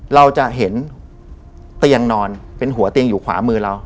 เราจะเห็นเตียงนอนเป็นหัวเตียงอยู่ขวามือเรา